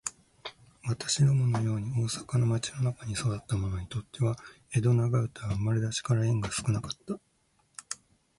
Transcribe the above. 私どもの様に大阪の町の中に育つた者にとつては、江戸長唄は生れだちから縁が少かつた。